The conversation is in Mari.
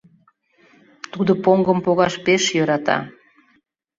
Тудо поҥгым погаш пеш йӧрата.